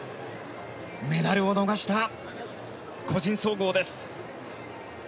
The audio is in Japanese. メダルを逃した個人総合です。